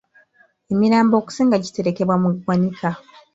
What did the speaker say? Emirambo okusinga giterekebwa mu ggwanika.